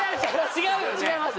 違います